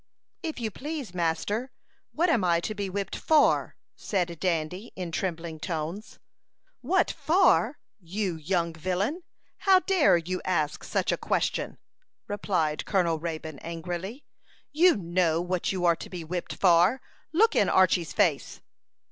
"If you please, master, what am I to be whipped for?" said Dandy, in trembling tones. "What for, you young villain? How dare you ask such a question?" replied Colonel Raybone, angrily. "You know what you are to be whipped for. Look in Archy's face!"